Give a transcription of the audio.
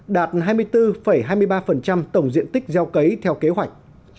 đạt hai mươi bốn hai mươi ba tổng diện tích gieo cấy theo kế hoạch